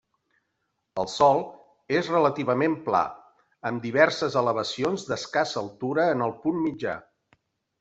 El sòl és relativament pla, amb diverses elevacions d'escassa altura en el punt mitjà.